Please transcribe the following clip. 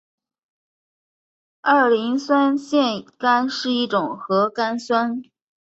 二磷酸腺苷是一种核苷酸。